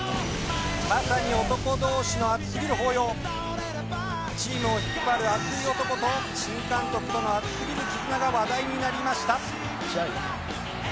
まさにチームを引っ張る熱い漢と新監督との熱すぎる絆が話題になりました。